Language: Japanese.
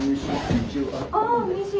ああうれしい！